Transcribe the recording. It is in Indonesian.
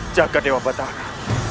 jaga dewa batara